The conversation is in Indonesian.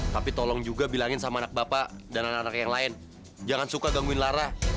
tapi tolong juga bilangin sama anak bapak dan anak anak yang lain jangan suka gangguin lara